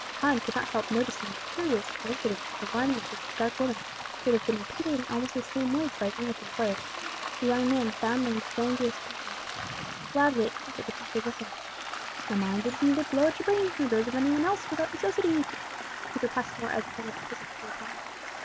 Lepine could not help noting as a curious coincidence that the warning of the dark woman should be repeated in almost the same words by his English employer. The young man, bound on a dangerous mission, gladly accepted the proffered weapon. "Now mind that you neither blow out your own brains nor those of any one else without necessity," said Peter Passmore, as he handed the pistol to Lepine.